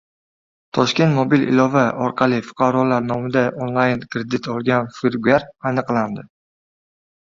Toshkentda mobil ilova orqali fuqarolar nomidan onlayn kredit olgan firibgar aniqlandi